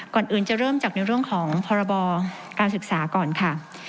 ก่อนอื่นจะเริ่มจากในเรื่องของพรบการศึกษาก่อนค่ะ